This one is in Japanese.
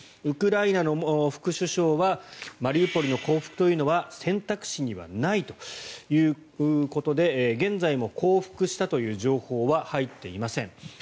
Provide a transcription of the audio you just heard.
ウクライナの副首相はマリウポリの降伏というのは選択肢にはないということで現在も降伏したという情報は入っていません。